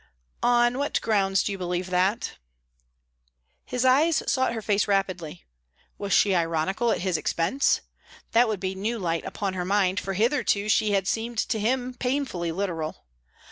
"On what grounds do you believe that?" His eyes sought her face rapidly. Was she ironical at his expense? That would be new light upon her mind, for hitherto she had seemed to him painfully literal.